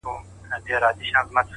پوهېږې په جنت کي به همداسي ليونی یم؛